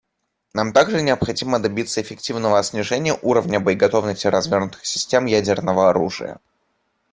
Нам также необходимо добиться эффективного снижения уровня боеготовности развернутых систем ядерного оружия.